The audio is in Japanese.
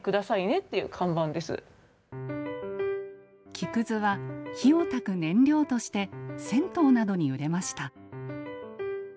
木くずは火をたく燃料として銭湯などに売れました。